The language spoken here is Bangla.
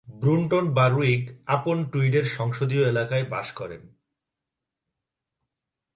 ব্রুন্টন বারউইক-আপন-টুইডের সংসদীয় এলাকায় বাস করেন।